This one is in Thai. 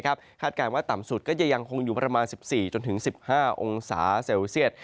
คาดการณ์ว่าต่ำสุดก็จะยังคงอยู่ประมาณ๑๔๑๕องศาเซลเซียต